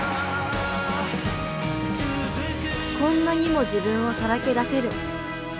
こんなにも自分をさらけ出せる。